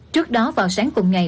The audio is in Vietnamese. trước đó vào sáng cùng ngày